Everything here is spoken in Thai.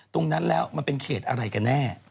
ตรงนั้นแล้วมันเป็นเขตอะไรกันแน่